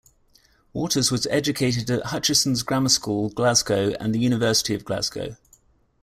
Waters was educated at Hutchesons' Grammar School, Glasgow and the University of Glasgow.